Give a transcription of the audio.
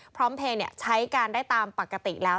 พร้อมเพลย์ใช้การได้ตามปกติแล้ว